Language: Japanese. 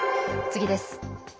次です。